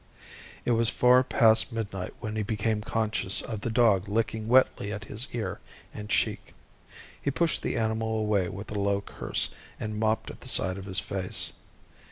It was far past midnight when he became conscious of the dog licking wetly at his ear and cheek. He pushed the animal away with a low curse and mopped at the side of his face.